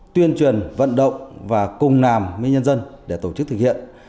tuyên truyền vận động và cùng làm với nhân dân để tổ chức thực hiện